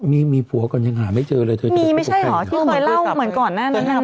มีมีผัวก่อนยังหาไม่เจอเลยเธอมีไม่ใช่เหรอที่เคยเล่าเหมือนก่อนหน้านั้นอ่ะ